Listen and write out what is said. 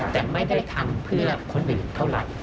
แต่ไม่ได้ทำเพื่อคนอื่นเท่าไหร่